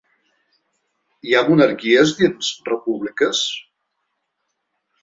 I hi ha monarquies dins repúbliques?